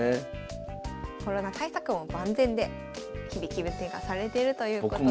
コロナ対策も万全で日々気分転換されてるということです。